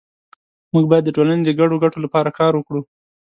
مونږ باید د ټولنې د ګډو ګټو لپاره کار وکړو